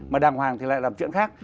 mà đàng hoàng thì lại làm chuyện khác